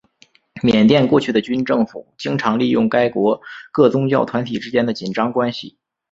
缅甸过去的军政府经常利用该国各宗教团体之间的紧张关系。